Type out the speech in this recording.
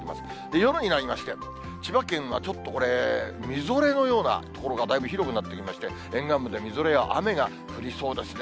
夜になりまして、千葉県はちょっとこれ、みぞれのような所がだいぶ広くなってきまして、沿岸部でみぞれや雨が降りそうですね。